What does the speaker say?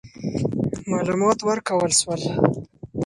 معلومات ورکول سول.